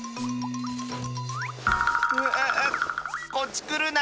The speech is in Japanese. うああこっちくるな！